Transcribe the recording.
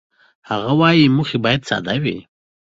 هغه وايي، موخې باید ساده وي.